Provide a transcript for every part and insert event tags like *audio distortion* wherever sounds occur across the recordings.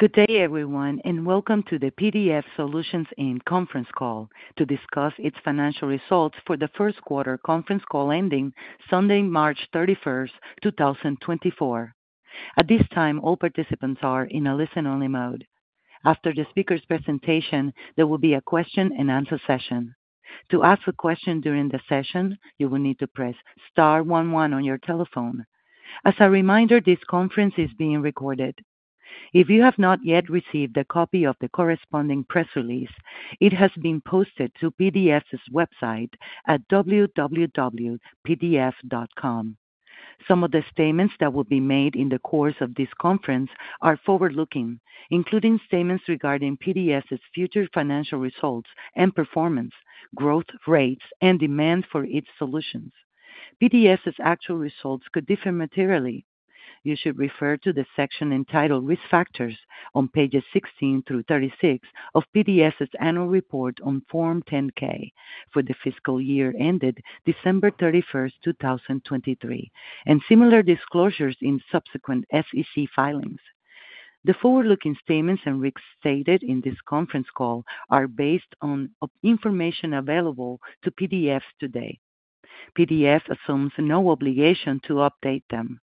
Good day everyone, and welcome to the PDF Solutions Inc conference call to discuss its financial results for the first quarter conference call ending Sunday, March 31st, 2024. At this time, all participants are in a listen-only mode. After the speaker's presentation, there will be a question and answer session. To ask a question during the session, you will need to press star one one on your telephone. As a reminder, this conference is being recorded. If you have not yet received a copy of the corresponding press release, it has been posted to PDF's website at www.pdf.com. Some of the statements that will be made in the course of this conference are forward-looking, including statements regarding PDF's future financial results and performance, growth rates, and demand for its solutions. PDF's actual results could differ materially. You should refer to the section entitled "Risk Factors" on pages 16-36 of PDF's annual report on Form 10-K for the fiscal year ended December 31st, 2023, and similar disclosures in subsequent SEC filings. The forward-looking statements and risks stated in this conference call are based on information available to PDF's today. PDF assumes no obligation to update them.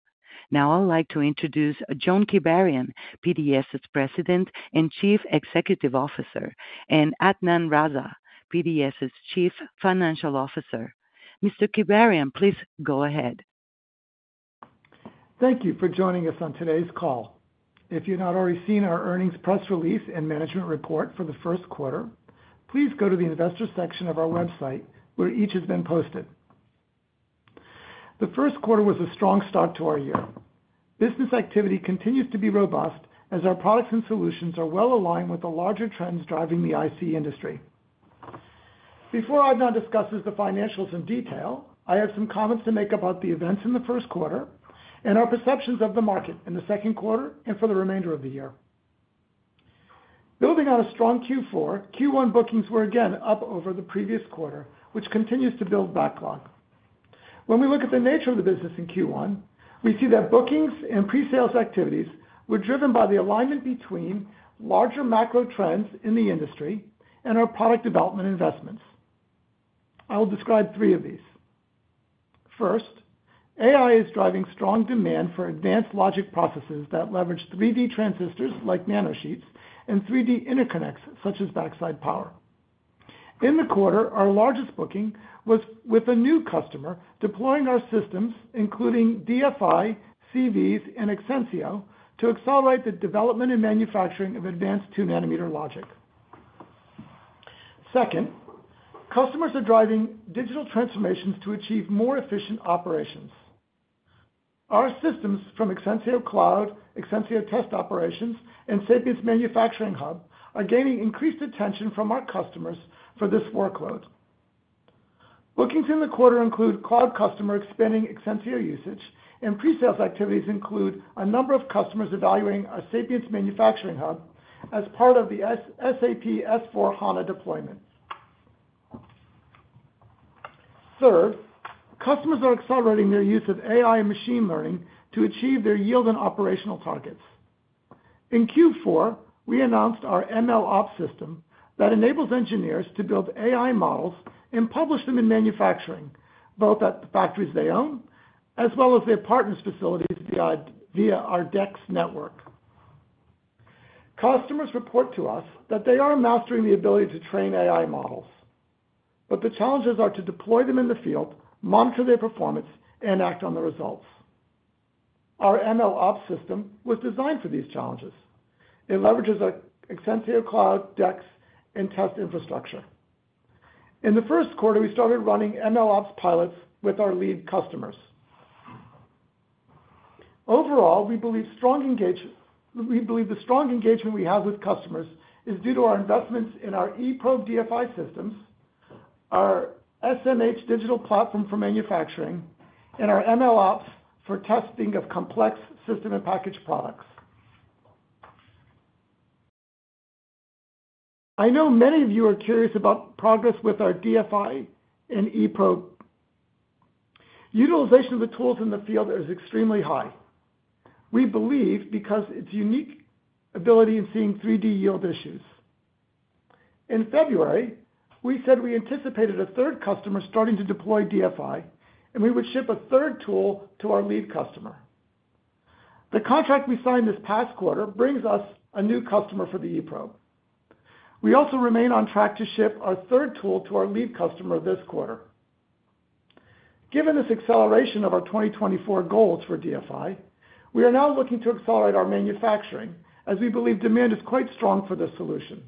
Now I'd like to introduce John Kibarian, PDF's President and Chief Executive Officer, and Adnan Raza, PDF's Chief Financial Officer. Mr. Kibarian, please go ahead. Thank you for joining us on today's call. If you've not already seen our earnings press release and management report for the first quarter, please go to the investor section of our website where each has been posted. The first quarter was a strong start to our year. Business activity continues to be robust as our products and solutions are well aligned with the larger trends driving the IC industry. Before Adnan discusses the financials in detail, I have some comments to make about the events in the first quarter and our perceptions of the market in the second quarter and for the remainder of the year. Building on a strong Q4, Q1 bookings were again up over the previous quarter, which continues to build backlog. When we look at the nature of the business in Q1, we see that bookings and presales activities were driven by the alignment between larger macro trends in the industry and our product development investments. I will describe three of these. First, AI is driving strong demand for advanced logic processes that leverage 3D transistors like nanosheets and 3D interconnects such as backside power. In the quarter, our largest booking was with a new customer deploying our systems, including DFI, CVs, and Exensio, to accelerate the development and manufacturing of advanced 2 nm logic. Second, customers are driving digital transformations to achieve more efficient operations. Our systems from Exensio Cloud, Exensio Test Operations, and Sapience Manufacturing Hub are gaining increased attention from our customers for this workload. Bookings in the quarter include cloud customer expanding Exensio usage, and presales activities include a number of customers evaluating our Sapience Manufacturing Hub as part of the SAP S/4HANA deployment. Third, customers are accelerating their use of AI and machine learning to achieve their yield and operational targets. In Q4, we announced our MLOps system that enables engineers to build AI models and publish them in manufacturing, both at the factories they own as well as their partner's facilities via our DEX network. Customers report to us that they are mastering the ability to train AI models, but the challenges are to deploy them in the field, monitor their performance, and act on the results. Our MLOps system was designed for these challenges. It leverages our Exensio Cloud, DEX, and test infrastructure. In the first quarter, we started running MLOps pilots with our lead customers. Overall, we believe the strong engagement we have with customers is due to our investments in our eProbe DFI systems, our SMH digital platform for manufacturing, and our MLOps for testing of complex system-in-package products. I know many of you are curious about progress with our DFI and eProbe. Utilization of the tools in the field is extremely high. We believe because of its unique ability in seeing 3D yield issues. In February, we said we anticipated a third customer starting to deploy DFI, and we would ship a third tool to our lead customer. The contract we signed this past quarter brings us a new customer for the eProbe. We also remain on track to ship our third tool to our lead customer this quarter. Given this acceleration of our 2024 goals for DFI, we are now looking to accelerate our manufacturing as we believe demand is quite strong for this solution.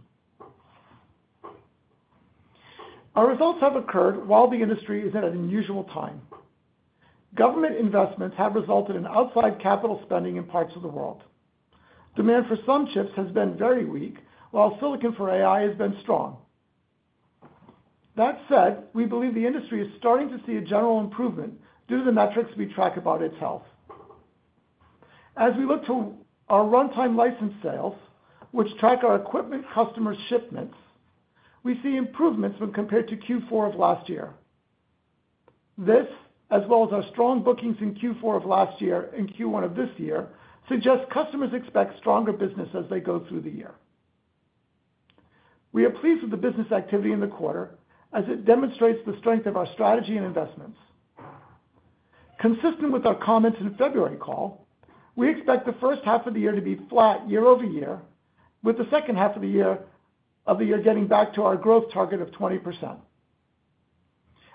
Our results have occurred while the industry is at an unusual time. Government investments have resulted in outside capital spending in parts of the world. Demand for some chips has been very weak, while silicon for AI has been strong. That said, we believe the industry is starting to see a general improvement due to the metrics we track about its health. As we look to our runtime license sales, which track our equipment customer shipments, we see improvements when compared to Q4 of last year. This, as well as our strong bookings in Q4 of last year and Q1 of this year, suggests customers expect stronger business as they go through the year. We are pleased with the business activity in the quarter as it demonstrates the strength of our strategy and investments. Consistent with our comments in February call, we expect the first half of the year to be flat year-over-year, with the second half of the year getting back to our growth target of 20%.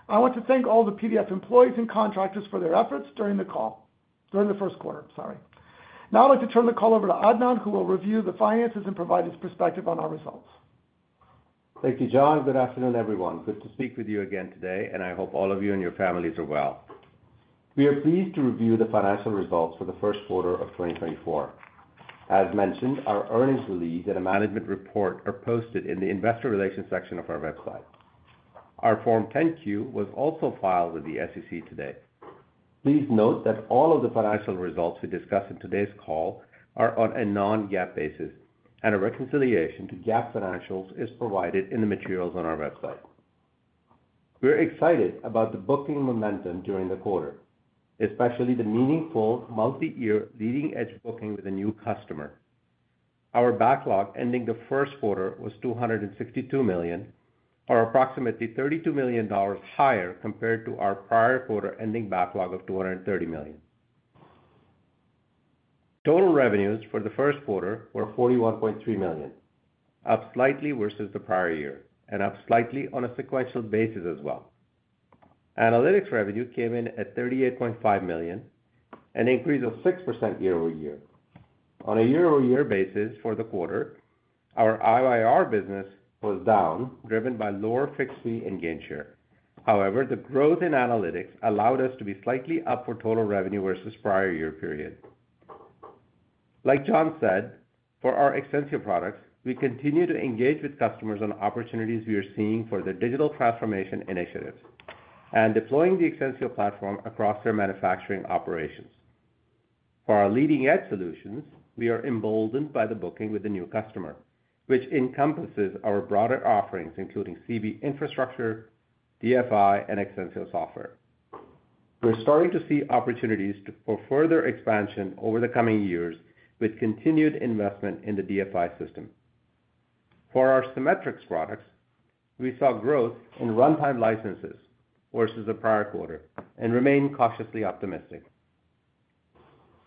I want to thank all the PDF employees and contractors for their efforts during the call during the first quarter. Now I'd like to turn the call over to Adnan, who will review the finances and provide his perspective on our results. Thank you, John. Good afternoon, everyone. Good to speak with you again today, and I hope all of you and your families are well. We are pleased to review the financial results for the first quarter of 2024. As mentioned, our earnings release and a management report are posted in the investor relations section of our website. Our Form 10-Q was also filed with the SEC today. Please note that all of the financial results we discussed in today's call are on a non-GAAP basis, and a reconciliation to GAAP financials is provided in the materials on our website. We're excited about the booking momentum during the quarter, especially the meaningful multi-year leading-edge booking with a new customer. Our backlog ending the first quarter was $262 million, or approximately $32 million higher compared to our prior quarter ending backlog of $230 million. Total revenues for the first quarter were $41.3 million, up slightly versus the prior year, and up slightly on a sequential basis as well. Analytics revenue came in at $38.5 million, an increase of 6% year-over-year. On a year-over-year basis for the quarter, our IYR business was down, driven by lower fixed fee and Gainshare. However, the growth in analytics allowed us to be slightly up for total revenue versus prior year period. Like John said, for our Exensio products, we continue to engage with customers on opportunities we are seeing for their digital transformation initiatives and deploying the Exensio platform across their manufacturing operations. For our leading-edge solutions, we are emboldened by the booking with a new customer, which encompasses our broader offerings, including CV infrastructure, DFI, and Exensio software. We're starting to see opportunities for further expansion over the coming years with continued investment in the DFI system. For our Cimetrix products, we saw growth in runtime licenses versus the prior quarter and remain cautiously optimistic.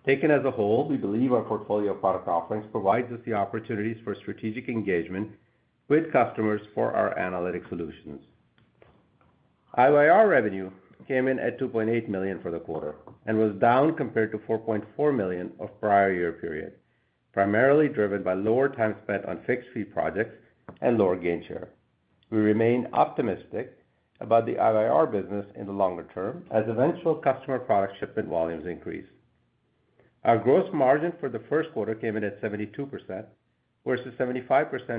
Taken as a whole, we believe our portfolio of product offerings provides us the opportunities for strategic engagement with customers for our analytics solutions. IYR revenue came in at $2.8 million for the quarter and was down compared to $4.4 million of prior year period, primarily driven by lower time spent on fixed fee projects and lower Gainshare. We remain optimistic about the IYR business in the longer term as eventual customer product shipment volumes increase. Our gross margin for the first quarter came in at 72% versus 75%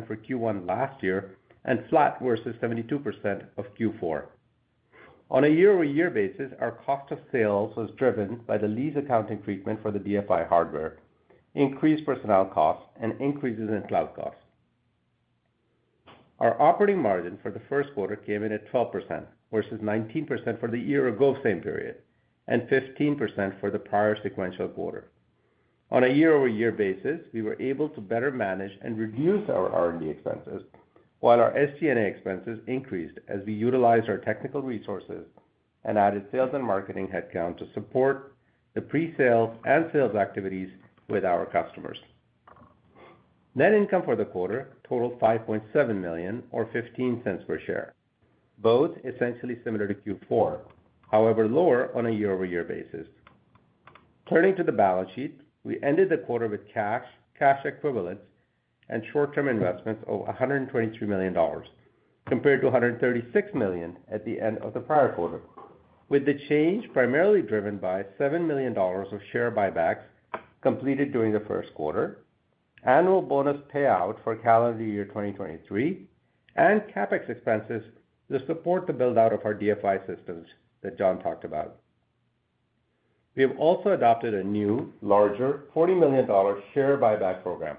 for Q1 last year and flat versus 72% of Q4. On a year-over-year basis, our cost of sales was driven by the lease account *audio distortion* for the DFI hardware, increased personnel costs, and increases in cloud costs. Our operating margin for the first quarter came in at 12% versus 19% for the year-ago same period and 15% for the prior sequential quarter. On a year-over-year basis, we were able to better manage and reduce our R&D expenses while our SG&A expenses increased as we utilized our technical resources and added sales and marketing headcount to support the presales and sales activities with our customers. Net income for the quarter totaled $5.7 million or $0.15 per share, both essentially similar to Q4, however lower on a year-over-year basis. Turning to the balance sheet, we ended the quarter with cash, cash equivalents, and short-term investments of $123 million compared to $136 million at the end of the prior quarter, with the change primarily driven by $7 million of share buybacks completed during the first quarter, annual bonus payout for calendar year 2023, and CapEx expenses to support the buildout of our DFI systems that John talked about. We have also adopted a new, larger, $40 million share buyback program.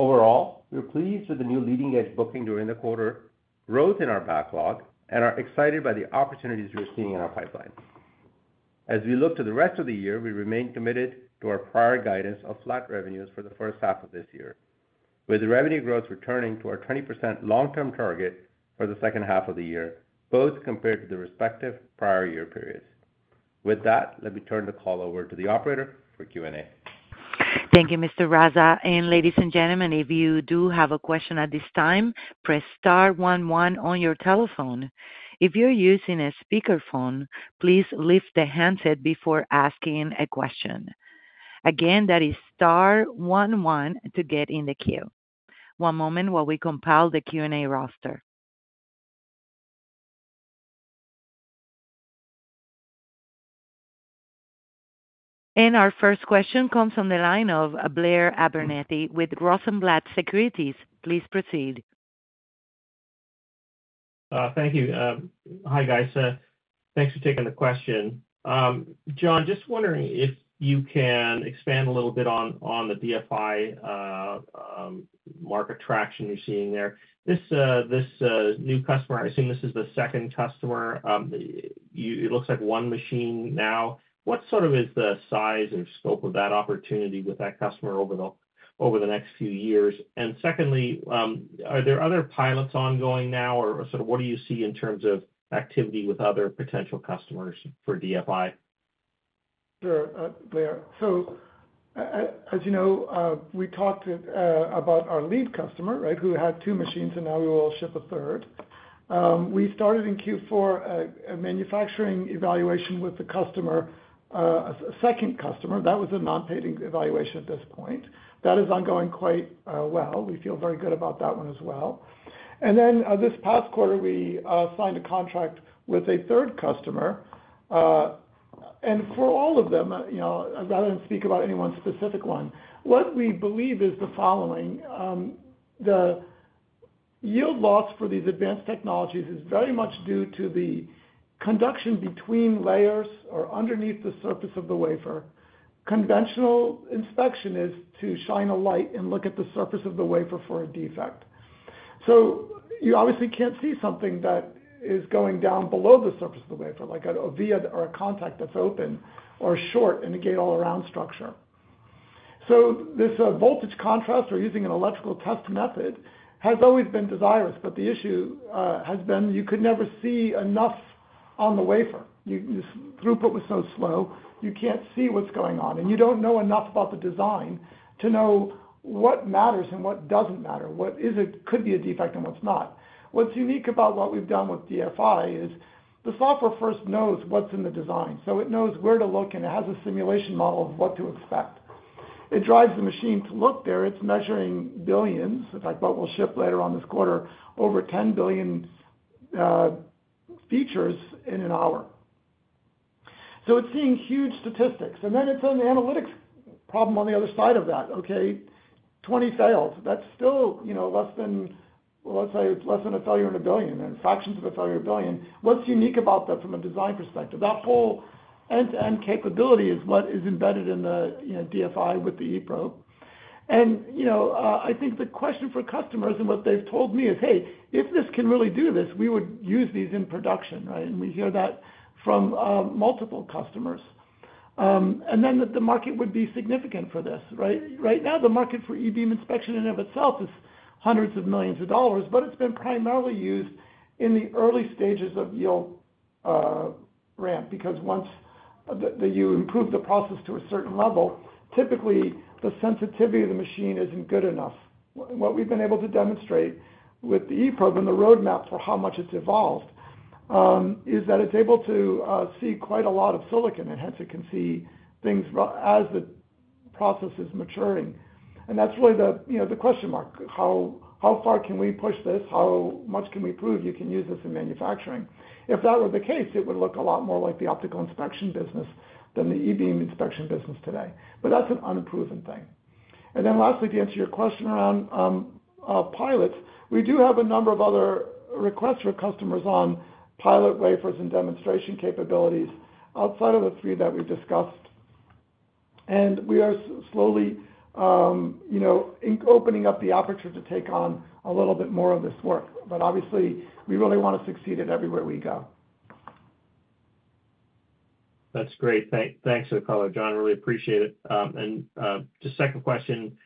Overall, we're pleased with the new leading-edge booking during the quarter, growth in our backlog, and are excited by the opportunities we are seeing in our pipeline. As we look to the rest of the year, we remain committed to our prior guidance of flat revenues for the first half of this year, with revenue growth returning to our 20% long-term target for the second half of the year, both compared to the respective prior year periods. With that, let me turn the call over to the operator for Q&A. Thank you, Mr. Raza. Ladies and gentlemen, if you do have a question at this time, press star one one on your telephone. If you're using a speakerphone, please lift the handset before asking a question. Again, that is star one one to get in the queue. One moment while we compile the Q&A roster. Our first question comes on the line of Blair Abernethy with Rosenblatt Securities. Please proceed. Thank you. Hi, guys. Thanks for taking the question. John, just wondering if you can expand a little bit on the DFI market traction you're seeing there. This new customer, I assume this is the second customer. It looks like one machine now. What sort of is the size or scope of that opportunity with that customer over the next few years? And secondly, are there other pilots ongoing now, or what do you see in terms of activity with other potential customers for DFI? Sure, Blair. As you know, we talked about our lead customer, who had two machines, and now we will ship a third. We started in Q4 a manufacturing evaluation with a second customer. That was a non-paying evaluation at this point. That is ongoing quite well. We feel very good about that one as well. Then this past quarter, we signed a contract with a third customer. For all of them, rather than speak about any one specific one, what we believe is the following: the yield loss for these advanced technologies is very much due to the conduction between layers or underneath the surface of the wafer. Conventional inspection is to shine a light and look at the surface of the wafer for a defect. So you obviously can't see something that is going down below the surface of the wafer, like a via or a contact that's open or short in a gate-all-around structure. So this voltage contrast, or using an electrical test method, has always been desirous, but the issue has been you could never see enough on the wafer. The throughput was so slow, you can't see what's going on, and you don't know enough about the design to know what matters and what doesn't matter, what could be a defect and what's not. What's unique about what we've done with DFI is the software first knows what's in the design. So it knows where to look, and it has a simulation model of what to expect. It drives the machine to look there. It's measuring billions, in fact, what we'll ship later on this quarter, over 10 billion features in an hour. So it's seeing huge statistics. And then it's an analytics problem on the other side of that. Okay, 20 failed. That's still less than well, let's say it's less than a failure in a billion, then fractions of a failure in a billion. What's unique about that from a design perspective? That whole end-to-end capability is what is embedded in the DFI with the eProbe. And I think the question for customers and what they've told me is, "Hey, if this can really do this, we would use these in production," right? And we hear that from multiple customers. And then the market would be significant for this. Right now, the market for e-beam inspection in and of itself is hundreds of millions of dollars, but it's been primarily used in the early stages of yield ramp because once you improve the process to a certain level, typically the sensitivity of the machine isn't good enough. What we've been able to demonstrate with the eProbe and the roadmap for how much it's evolved is that it's able to see quite a lot of silicon, and hence it can see things as the process is maturing. And that's really the question mark. How far can we push this? How much can we prove you can use this in manufacturing? If that were the case, it would look a lot more like the optical inspection business than the e-beam inspection business today. But that's an unproven thing. And then lastly, to answer your question around pilots, we do have a number of other requests for customers on pilot wafers and demonstration capabilities outside of the three that we've discussed. And we are slowly opening up the aperture to take on a little bit more of this work. But obviously, we really want to succeed at everywhere we go. That's great. Thanks for the call, John. Really appreciate it. Just second question,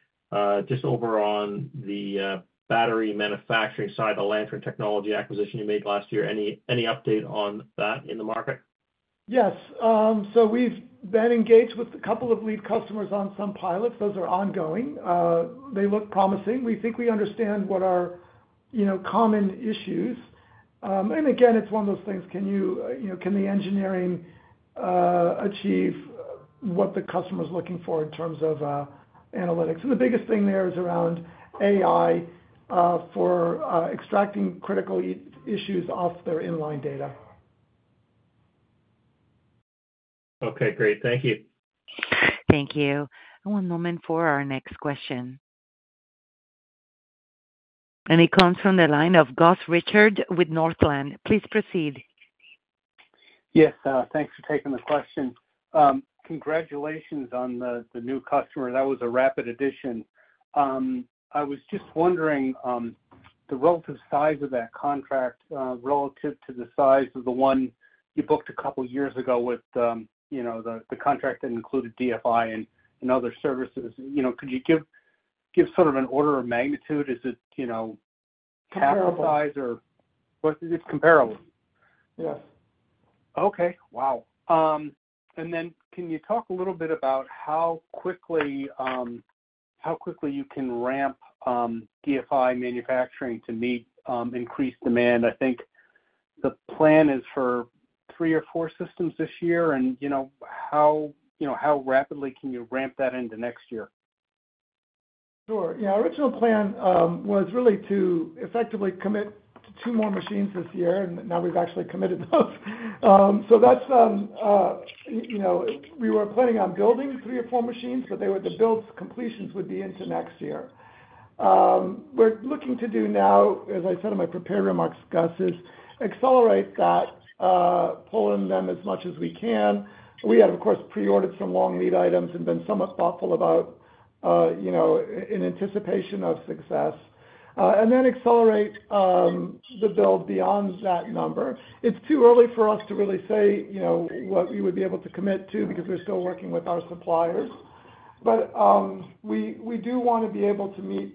just over on the battery manufacturing side, the Lantern Technology acquisition you made last year, any update on that in the market? Yes. So we've been engaged with a couple of lead customers on some pilots. Those are ongoing. They look promising. We think we understand what our common issues are. And again, it's one of those things, can the engineering achieve what the customer's looking for in terms of analytics? And the biggest thing there is around AI for extracting critical issues off their inline data. Okay, great. Thank you. Thank you. One moment for our next question. It comes from the line of Gus Richard with Northland. Please proceed. Yes. Thanks for taking the question. Congratulations on the new customer. That was a rapid addition. I was just wondering the relative size of that contract relative to the size of the one you booked a couple of years ago with the contract that included DFI and other services. Could you give sort of an order of magnitude? Is it comparable size, or? Comparable. It's comparable? Yes. Okay. Wow. And then can you talk a little bit about how quickly you can ramp DFI manufacturing to meet increased demand? I think the plan is for three or four systems this year. And how rapidly can you ramp that into next year? Sure. Our original plan was really to effectively commit to two more machines this year, and now we've actually committed those. So we were planning on building three or four machines, but the build completions would be into next year. We're looking to do now, as I said in my prepared remarks, Gus, is accelerate that, pull in them as much as we can. We have, of course, pre-ordered some long lead items and been somewhat thoughtful about in anticipation of success, and then accelerate the build beyond that number. It's too early for us to really say what we would be able to commit to because we're still working with our suppliers. But we do want to be able to meet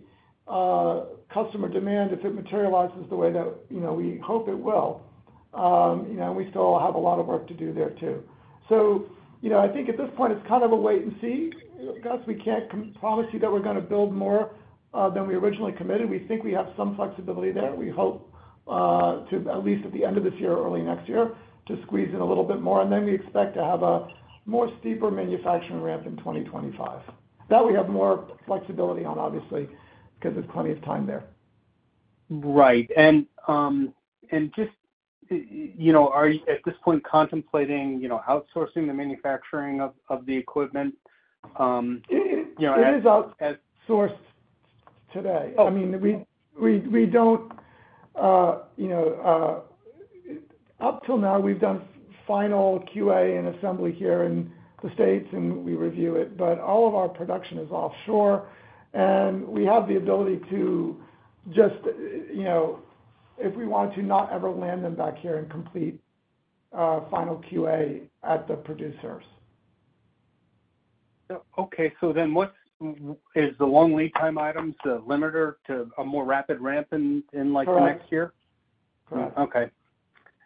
customer demand if it materializes the way that we hope it will. And we still have a lot of work to do there too. So I think at this point, it's kind of a wait and see. Gus, we can't promise you that we're going to build more than we originally committed. We think we have some flexibility there. We hope, at least at the end of this year or early next year, to squeeze in a little bit more. And then we expect to have a more steeper manufacturing ramp in 2025. That we have more flexibility on, obviously, because there's plenty of time there. Right. And just are you at this point contemplating outsourcing the manufacturing of the equipment? It is. As sourced today? I mean, we don't up till now, we've done final QA and assembly here in the States, and we review it. But all of our production is offshore. And we have the ability to just, if we want to, not ever land them back here and complete final QA at the producers. Okay. So then what is the long lead time items, the limiter to a more rapid ramp in the next year? Correct. Okay.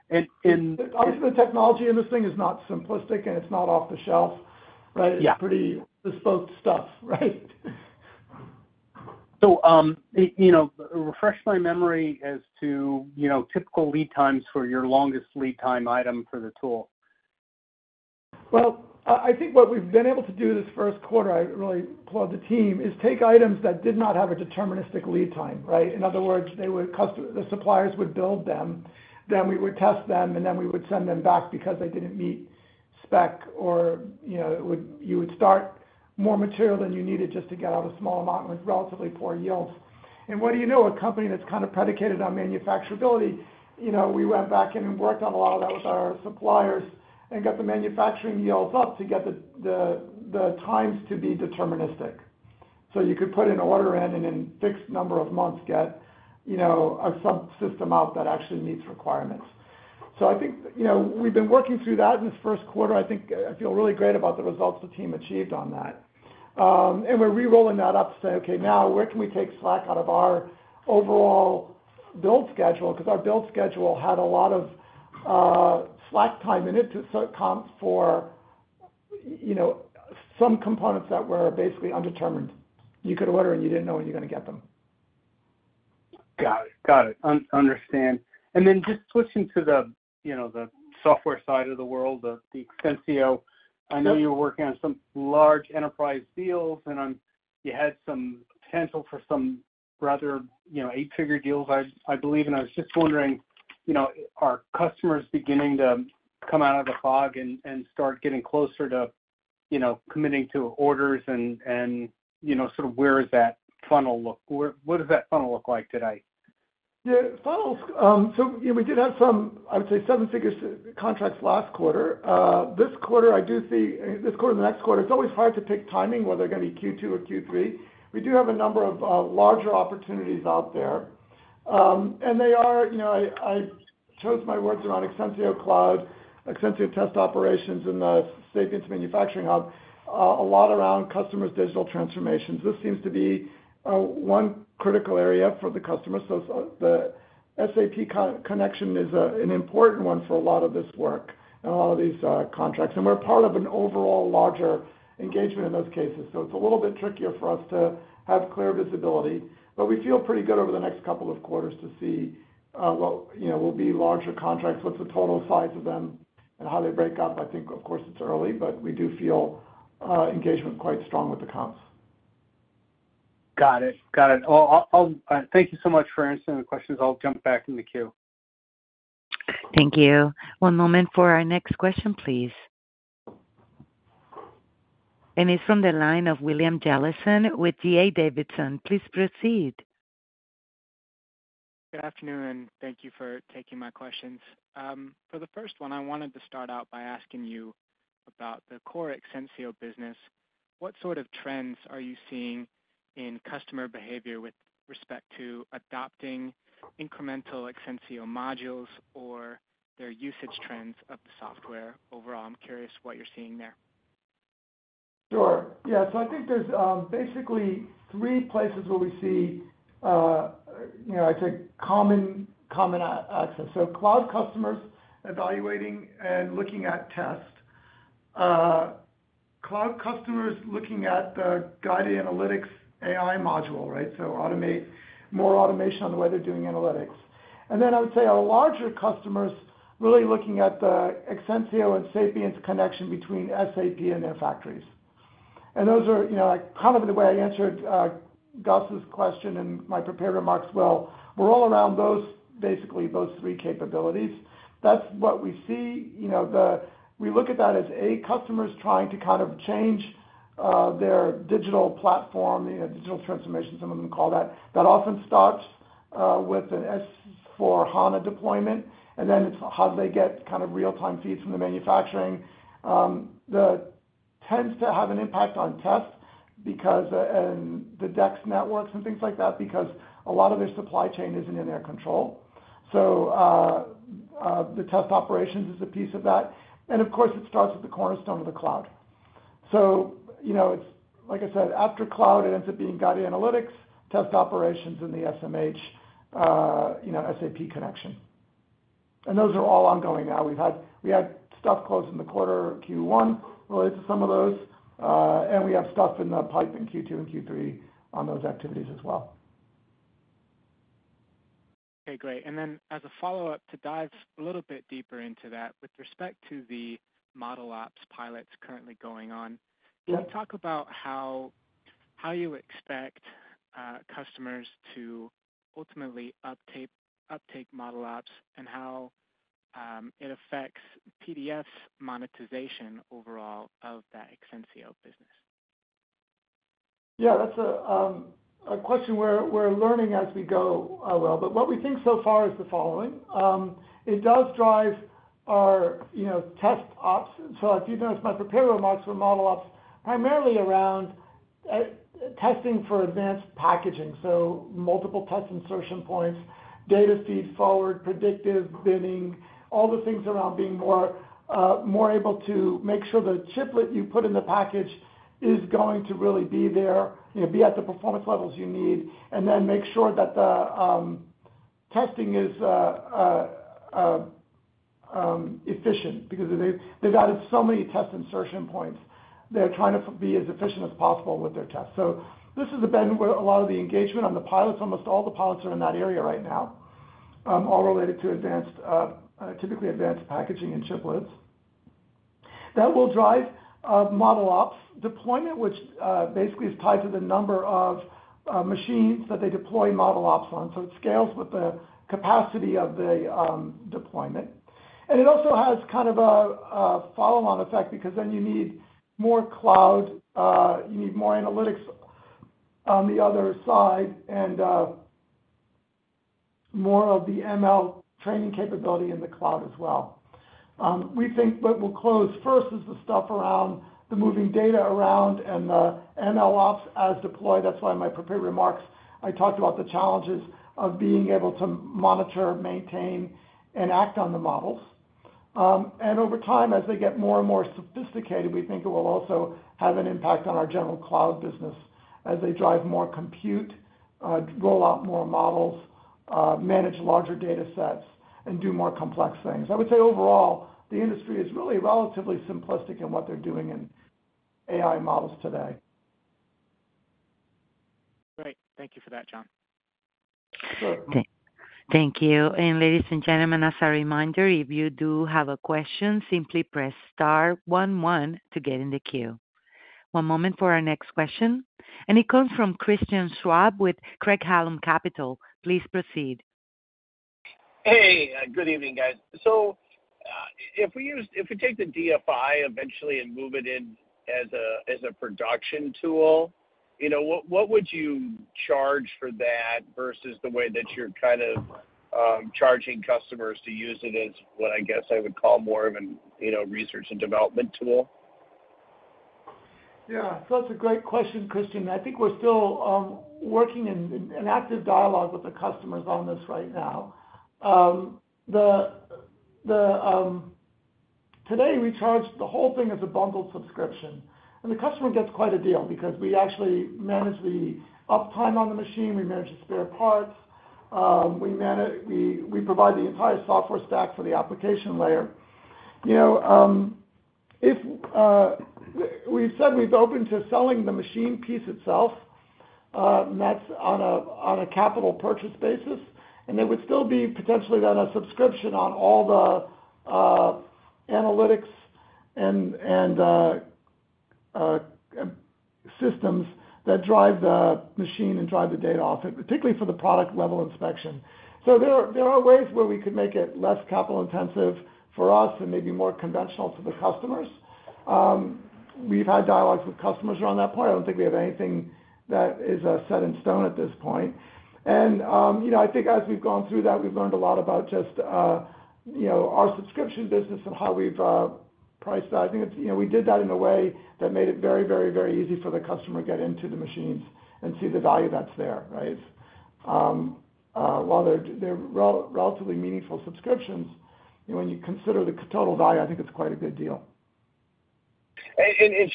And. Obviously, the technology in this thing is not simplistic, and it's not off the shelf, right? It's pretty bespoke stuff, right? Refresh my memory as to typical lead times for your longest lead time item for the tool? Well, I think what we've been able to do this first quarter, I really applaud the team, is take items that did not have a deterministic lead time, right? In other words, the suppliers would build them, then we would test them, and then we would send them back because they didn't meet spec, or you would start more material than you needed just to get out a small amount with relatively poor yields. And what do you know? A company that's kind of predicated on manufacturability, we went back in and worked on a lot of that with our suppliers and got the manufacturing yields up to get the times to be deterministic. So you could put an order in, and in a fixed number of months, get a subsystem out that actually meets requirements. So I think we've been working through that in this first quarter. I feel really great about the results the team achieved on that. And we're rerolling that up to say, "Okay, now where can we take slack out of our overall build schedule?" Because our build schedule had a lot of slack time in it to comp for some components that were basically undetermined. You could order, and you didn't know when you're going to get them. Got it. Got it. Understand. Then just switching to the software side of the world, the Exensio, I know you were working on some large enterprise deals, and you had some potential for some rather eight-figure deals, I believe. And I was just wondering, are customers beginning to come out of the fog and start getting closer to committing to orders? And sort of where does that funnel look? What does that funnel look like today? Yeah. So we did have some, I would say, seven figure contracts last quarter. This quarter, I do see this quarter and the next quarter, it's always hard to pick timing whether they're going to be Q2 or Q3. We do have a number of larger opportunities out there. And they are I chose my words around Exensio Cloud, Exensio Test Operations, and the Sapience Manufacturing Hub, a lot around customers' digital transformations. This seems to be one critical area for the customers. So the SAP connection is an important one for a lot of this work and a lot of these contracts. And we're part of an overall larger engagement in those cases. So it's a little bit trickier for us to have clear visibility. But we feel pretty good over the next couple of quarters to see what will be larger contracts, what's the total size of them, and how they break up. I think, of course, it's early, but we do feel engagement quite strong with the comps. Got it. Got it. Well, thank you so much for answering the questions. I'll jump back in the queue. Thank you. One moment for our next question, please. It's from the line of William Jellison with D.A. Davidson. Please proceed. Good afternoon. Thank you for taking my questions. For the first one, I wanted to start out by asking you about the core Exensio business. What sort of trends are you seeing in customer behavior with respect to adopting incremental Exensio modules or their usage trends of the software overall? I'm curious what you're seeing there. Sure. Yeah. So I think there's basically three places where we see, I'd say, common access. So cloud customers evaluating and looking at test, cloud customers looking at the Guided Analytics AI module, right? So more automation on the way they're doing analytics. And then I would say our larger customers really looking at the Exensio and Sapience connection between SAP and their factories. And those are kind of in the way I answered Gus's question in my prepared remarks. Well, we're all around those, basically, those three capabilities. That's what we see. We look at that as, A, customers trying to kind of change their digital platform, digital transformation, some of them call that. That often starts with an S/4HANA deployment. And then it's how do they get kind of real-time feeds from the manufacturing. That tends to have an impact on test and the DEX networks and things like that because a lot of their supply chain isn't in their control. So the test operations is a piece of that. And of course, it starts at the cornerstone of the cloud. So it's, like I said, after cloud, it ends up being guided analytics, test operations, and the SMH SAP connection. And those are all ongoing now. We had stuff closed in the quarter Q1 related to some of those. And we have stuff in the pipe in Q2 and Q3 on those activities as well. Okay, great. And then as a follow-up to dive a little bit deeper into that, with respect to the model apps pilots currently going on, can you talk about how you expect customers to ultimately uptake model apps and how it affects PDF's monetization overall of that Exensio business? Yeah. That's a question we're learning as we go, Will. But what we think so far is the following. It does drive our test ops. So if you noticed my prepared remarks for model ops, primarily around testing for advanced packaging, so multiple test insertion points, data feed forward, predictive binning, all the things around being more able to make sure the chiplet you put in the package is going to really be there, be at the performance levels you need, and then make sure that the testing is efficient because they've added so many test insertion points. They're trying to be as efficient as possible with their tests. So this has been a lot of the engagement on the pilots. Almost all the pilots are in that area right now, all related to typically advanced packaging and chiplets. That will drive model ops deployment, which basically is tied to the number of machines that they deploy model ops on. So it scales with the capacity of the deployment. And it also has kind of a follow-on effect because then you need more cloud. You need more analytics on the other side and more of the ML training capability in the cloud as well. We think what will close first is the stuff around the moving data around and the ML ops as deployed. That's why in my prepared remarks, I talked about the challenges of being able to monitor, maintain, and act on the models. And over time, as they get more and more sophisticated, we think it will also have an impact on our general cloud business as they drive more compute, roll out more models, manage larger datasets, and do more complex things. I would say overall, the industry is really relatively simplistic in what they're doing in AI models today. Great. Thank you for that, John. Sure. Thank you. And ladies and gentlemen, as a reminder, if you do have a question, simply press star one one to get in the queue. One moment for our next question. And it comes from Christian Schwab with Craig-Hallum Capital. Please proceed. Hey. Good evening, guys. So if we take the DFI eventually and move it in as a production tool, what would you charge for that versus the way that you're kind of charging customers to use it as what I guess I would call more of a research and development tool? Yeah. So that's a great question, Christian. I think we're still working in an active dialogue with the customers on this right now. Today, we charge the whole thing as a bundled subscription. And the customer gets quite a deal because we actually manage the uptime on the machine. We manage the spare parts. We provide the entire software stack for the application layer. We've said we've opened to selling the machine piece itself, and that's on a capital purchase basis. And there would still be potentially then a subscription on all the analytics and systems that drive the machine and drive the data off it, particularly for the product-level inspection. So there are ways where we could make it less capital-intensive for us and maybe more conventional to the customers. We've had dialogues with customers around that part. I don't think we have anything that is set in stone at this point. I think as we've gone through that, we've learned a lot about just our subscription business and how we've priced that. I think we did that in a way that made it very, very, very easy for the customer to get into the machines and see the value that's there, right? While they're relatively meaningful subscriptions, when you consider the total value, I think it's quite a good deal.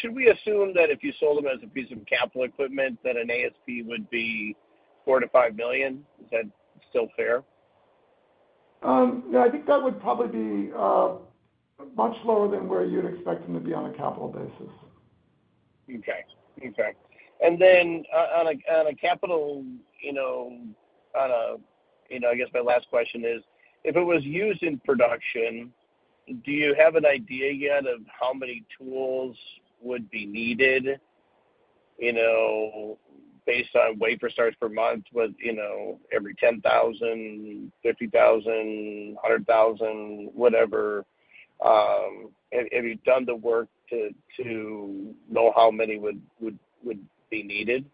Should we assume that if you sold them as a piece of capital equipment, that an ASP would be $4 million-$5 million? Is that still fair? No. I think that would probably be much lower than where you'd expect them to be on a capital basis. Okay. Okay. And then on a capital on a, I guess my last question is, if it was used in production, do you have an idea yet of how many tools would be needed based on wafer starts per month, every 10,000, 50,000, 100,000, whatever? Have you done the work to know how many would be needed?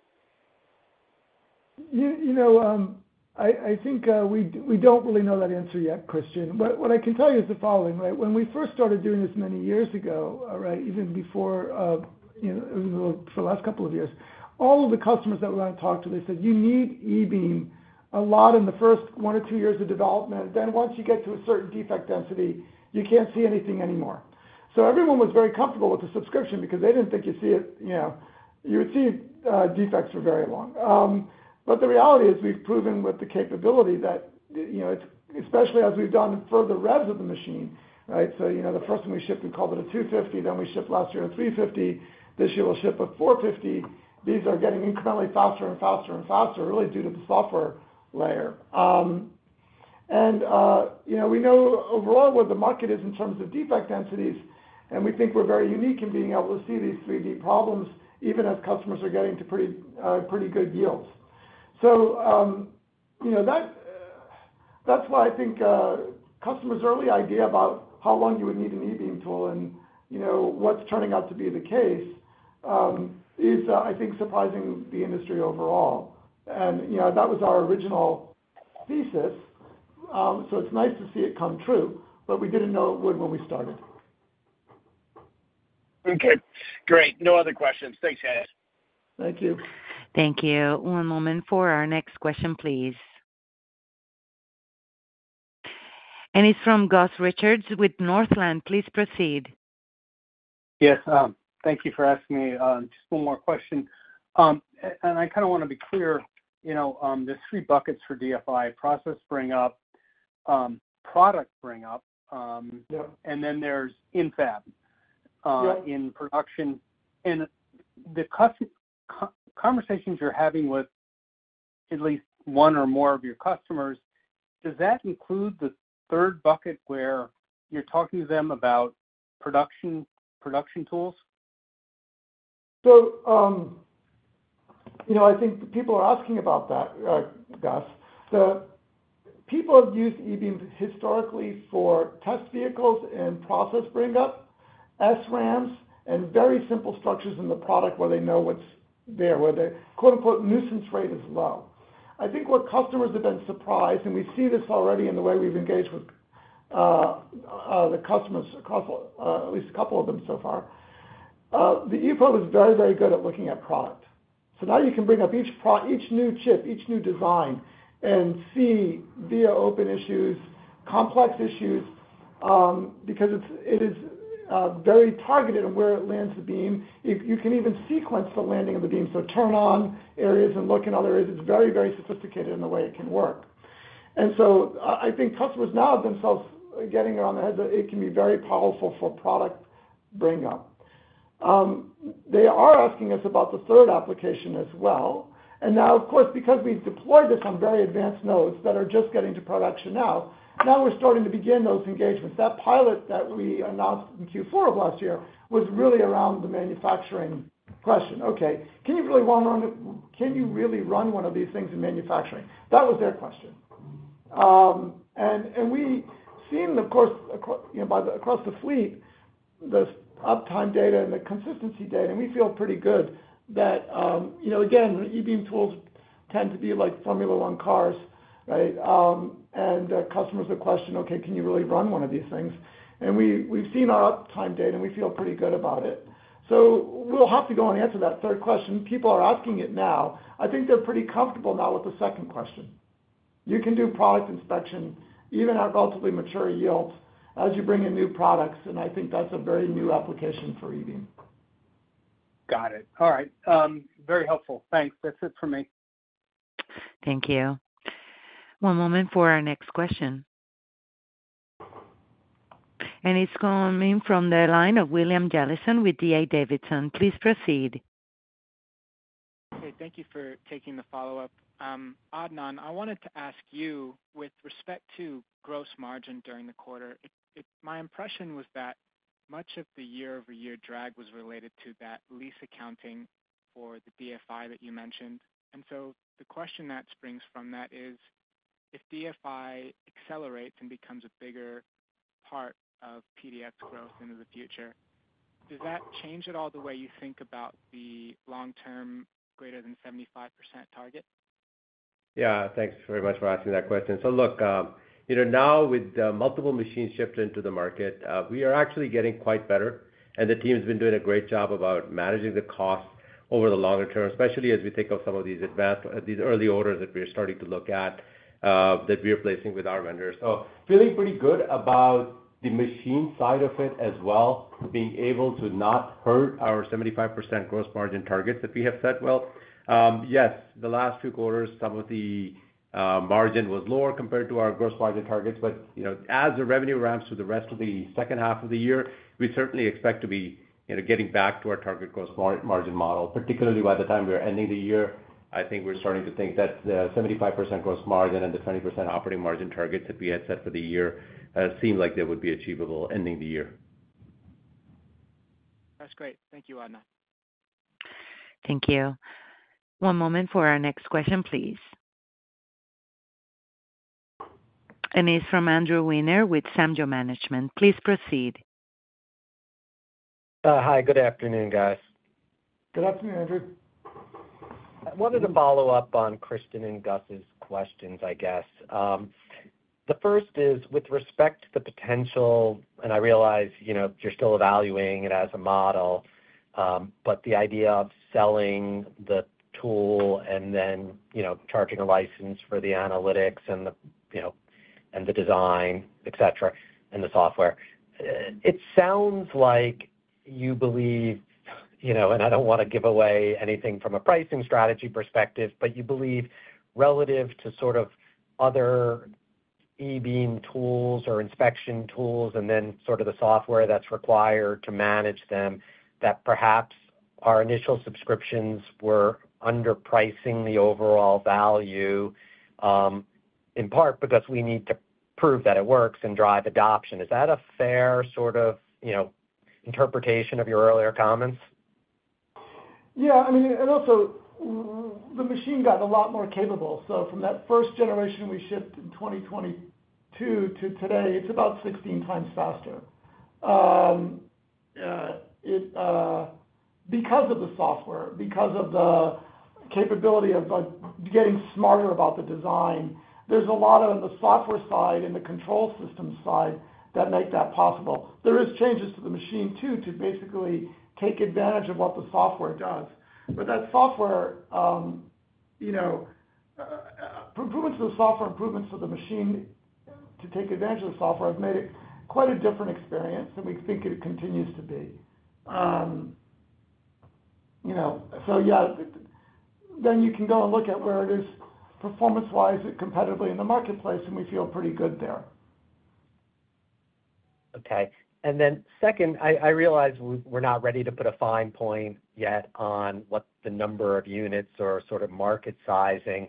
I think we don't really know that answer yet, Christian. What I can tell you is the following, right? When we first started doing this many years ago, right, even before it was for the last couple of years, all of the customers that we wanted to talk to, they said, "You need e-beam a lot in the first one or two years of development. Then once you get to a certain defect density, you can't see anything anymore." So everyone was very comfortable with the subscription because they didn't think you'd see it you would see defects for very long. But the reality is we've proven with the capability that especially as we've done further revs of the machine, right? So the first time we shipped, we called it a 250. Then we shipped last year a 350. This year, we'll ship a 450. These are getting incrementally faster and faster and faster, really due to the software layer. And we know overall where the market is in terms of defect densities, and we think we're very unique in being able to see these 3D problems even as customers are getting to pretty good yields. So that's why I think customers' early idea about how long you would need an e-beam tool and what's turning out to be the case is, I think, surprising the industry overall. And that was our original thesis. So it's nice to see it come true, but we didn't know it would when we started. Okay. Great. No other questions. Thanks, guys. Thank you. Thank you. One moment for our next question, please. It's from Gus Richard with Northland. Please proceed. Yes. Thank you for asking me. Just one more question. I kind of want to be clear. There's three buckets for DFI: process bring-up, product bring-up, and then there's in-fab in production. The conversations you're having with at least one or more of your customers, does that include the third bucket where you're talking to them about production tools? So I think the people are asking about that, Gus. People have used e-beams historically for test vehicles and process bring-up, SRAMs, and very simple structures in the product where they know what's there, where the "nuisance rate" is low. I think what customers have been surprised - and we see this already in the way we've engaged with the customers across at least a couple of them so far - the eProbe was very, very good at looking at product. So now you can bring up each new chip, each new design, and see via open issues, complex issues because it is very targeted in where it lands the beam. You can even sequence the landing of the beam. So turn on areas and look in other areas. It's very, very sophisticated in the way it can work. So I think customers now themselves getting around the heads that it can be very powerful for product bring-up. They are asking us about the third application as well. And now, of course, because we've deployed this on very advanced nodes that are just getting to production now, now we're starting to begin those engagements. That pilot that we announced in Q4 of last year was really around the manufacturing question. "Okay. Can you really run can you really run one of these things in manufacturing?" That was their question. And we've seen, of course, across the fleet, the uptime data and the consistency data, and we feel pretty good that again, e-beam tools tend to be like Formula 1 cars, right? And customers are questioning, "Okay. Can you really run one of these things?" And we've seen our uptime data, and we feel pretty good about it. We'll have to go and answer that third question. People are asking it now. I think they're pretty comfortable now with the second question. You can do product inspection even at relatively mature yields as you bring in new products. I think that's a very new application for e-beam. Got it. All right. Very helpful. Thanks. That's it for me. Thank you. One moment for our next question. It's coming from the line of William Jellison with D.A. Davidson. Please proceed. Okay. Thank you for taking the follow-up. Adnan, I wanted to ask you, with respect to gross margin during the quarter, my impression was that much of the year-over-year drag was related to that lease accounting for the DFI that you mentioned. And so the question that springs from that is, if DFI accelerates and becomes a bigger part of PDF's growth into the future, does that change at all the way you think about the long-term greater-than 75% target? Yeah. Thanks very much for asking that question. So look, now with multiple machines shipped into the market, we are actually getting quite better. And the team's been doing a great job about managing the costs over the longer term, especially as we think of some of these early orders that we are starting to look at that we are placing with our vendors. So feeling pretty good about the machine side of it as well, being able to not hurt our 75% gross margin targets that we have set. Well, yes, the last few quarters, some of the margin was lower compared to our gross margin targets. But as the revenue ramps through the rest of the second half of the year, we certainly expect to be getting back to our target gross margin model. Particularly by the time we're ending the year, I think we're starting to think that the 75% gross margin and the 20% operating margin targets that we had set for the year seem like they would be achievable ending the year. That's great. Thank you, Adnan. Thank you. One moment for our next question, please. It's from Andrew Wiener with Samjo Management. Please proceed. Hi. Good afternoon, guys. Good afternoon, Andrew. Wanted to follow up on Christian and Gus's questions, I guess. The first is with respect to the potential and I realize you're still evaluating it as a model, but the idea of selling the tool and then charging a license for the analytics and the design, etc., and the software, it sounds like you believe and I don't want to give away anything from a pricing strategy perspective, but you believe relative to sort of other e-beam tools or inspection tools and then sort of the software that's required to manage them that perhaps our initial subscriptions were underpricing the overall value in part because we need to prove that it works and drive adoption. Is that a fair sort of interpretation of your earlier comments? Yeah. I mean, and also, the machine got a lot more capable. So from that first generation we shipped in 2022 to today, it's about 16 times faster because of the software, because of the capability of getting smarter about the design. There's a lot on the software side and the control system side that make that possible. There are changes to the machine too to basically take advantage of what the software does. But that software improvements of the software, improvements of the machine to take advantage of the software have made it quite a different experience, and we think it continues to be. So yeah, then you can go and look at where it is performance-wise and competitively in the marketplace, and we feel pretty good there. Okay. And then second, I realize we're not ready to put a fine point yet on what the number of units or sort of market sizing.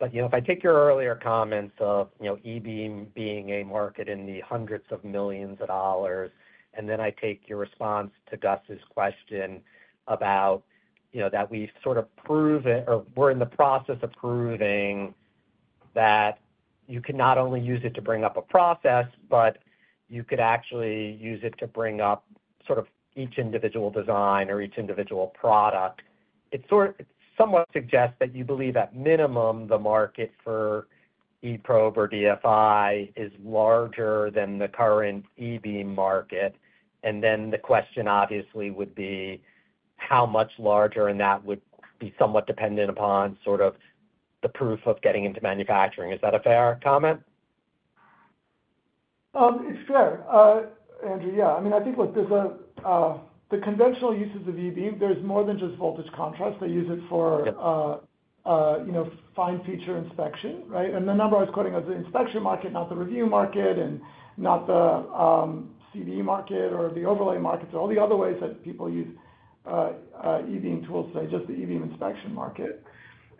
But if I take your earlier comments of e-beam being a market in the hundreds of millions of dollars, and then I take your response to Gus's question about that we've sort of proven or we're in the process of proving that you can not only use it to bring up a process, but you could actually use it to bring up sort of each individual design or each individual product, it somewhat suggests that you believe, at minimum, the market for eProbe or DFI is larger than the current e-beam market. And then the question, obviously, would be, how much larger? And that would be somewhat dependent upon sort of the proof of getting into manufacturing. Is that a fair comment? It's fair, Andrew. Yeah. I mean, I think, look, the conventional uses of e-beam, there's more than just voltage contrast. They use it for fine-feature inspection, right? And the number I was quoting was the inspection market, not the review market, and not the CD market or the overlay markets, or all the other ways that people use e-beam tools today, just the e-beam inspection market.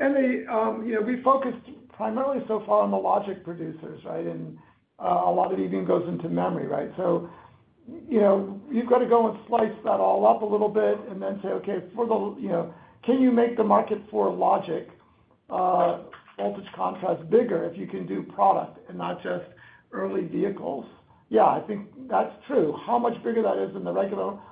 And we've focused primarily so far on the logic producers, right? And a lot of e-beam goes into memory, right? So you've got to go and slice that all up a little bit and then say, "Okay. Can you make the market for logic voltage contrast bigger if you can do product and not just early vehicles?" Yeah. I think that's true. How much bigger that is in the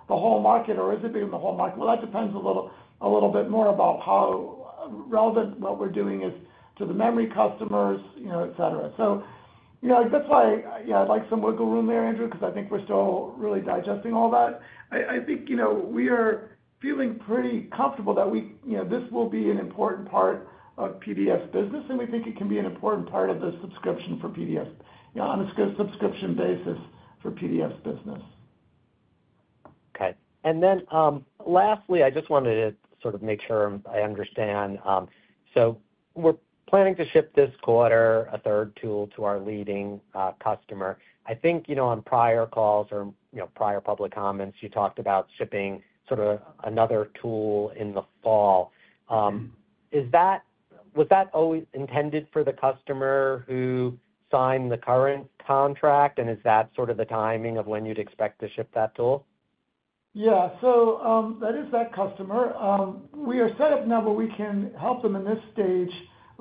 whole market, or is it big in the whole market? Well, that depends a little bit more about how relevant what we're doing is to the memory customers, etc. So that's why, yeah, I'd like some wiggle room there, Andrew, because I think we're still really digesting all that. I think we are feeling pretty comfortable that this will be an important part of PDF's business, and we think it can be an important part of the subscription for PDF's on a subscription basis for PDF's business. Okay. And then lastly, I just wanted to sort of make sure I understand. So we're planning to ship this quarter a third tool to our leading customer. I think on prior calls or prior public comments, you talked about shipping sort of another tool in the fall. Was that always intended for the customer who signed the current contract? And is that sort of the timing of when you'd expect to ship that tool? Yeah. So that is that customer. We are set up now where we can help them in this stage,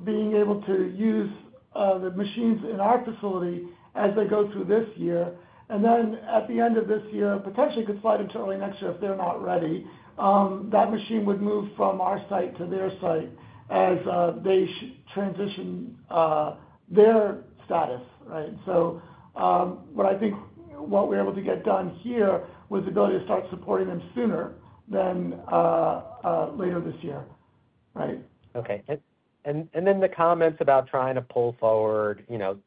being able to use the machines in our facility as they go through this year. And then at the end of this year, potentially could slide into early next year if they're not ready, that machine would move from our site to their site as they transition their status, right? So what I think what we're able to get done here was the ability to start supporting them sooner than later this year, right? Okay. And then the comments about trying to pull forward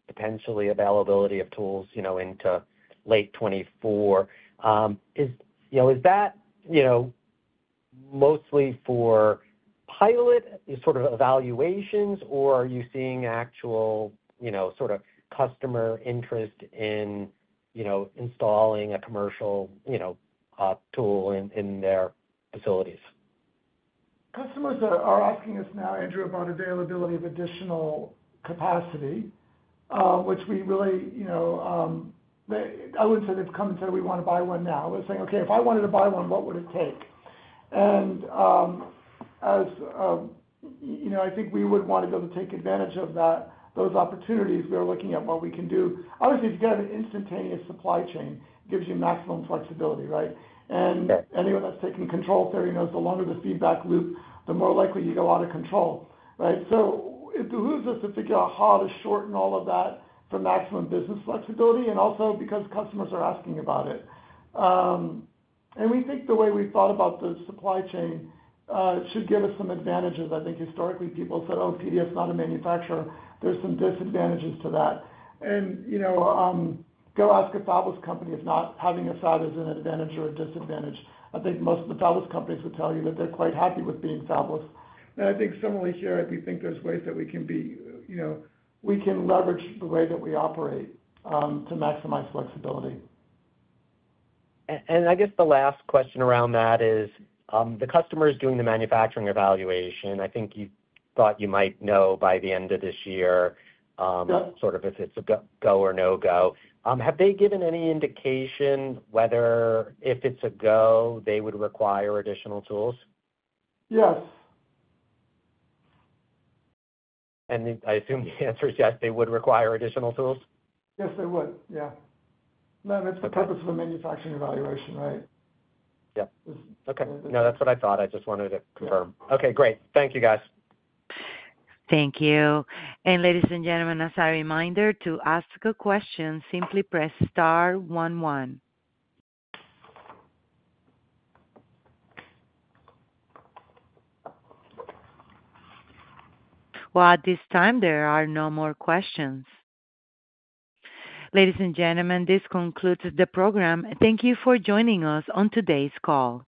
potentially availability of tools into late 2024, is that mostly for pilot sort of evaluations, or are you seeing actual sort of customer interest in installing a commercial tool in their facilities? Customers are asking us now, Andrew, about availability of additional capacity, which we really I wouldn't say they've come and said, "We want to buy one now." They're saying, "Okay. If I wanted to buy one, what would it take?" And I think we would want to be able to take advantage of those opportunities. We are looking at what we can do. Obviously, if you get an instantaneous supply chain, it gives you maximum flexibility, right? And anyone that's taken control theory knows the longer the feedback loop, the more likely you get a lot of control, right? So it behooves us to figure out how to shorten all of that for maximum business flexibility and also because customers are asking about it. And we think the way we've thought about the supply chain should give us some advantages. I think historically, people have said, "Oh, PDF's not a manufacturer. There's some disadvantages to that." And go ask a fabless company if not having a fab is an advantage or a disadvantage. I think most of the fabless companies would tell you that they're quite happy with being fabless. And I think similarly here, we think there's ways that we can leverage the way that we operate to maximize flexibility. I guess the last question around that is, the customer is doing the manufacturing evaluation. I think you thought you might know by the end of this year sort of if it's a go or no-go. Have they given any indication whether if it's a go, they would require additional tools? Yes. I assume the answer is yes, they would require additional tools? Yes, they would. Yeah. No, that's the purpose of a manufacturing evaluation, right? Yep. Okay. No, that's what I thought. I just wanted to confirm. Okay. Great. Thank you, guys. Thank you. Ladies and gentlemen, as a reminder, to ask a question, simply press star one one. Well, at this time, there are no more questions. Ladies and gentlemen, this concludes the program. Thank you for joining us on today's call.